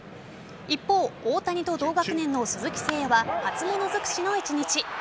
一方、大谷と同学年の鈴木誠也は初物づくしの一日。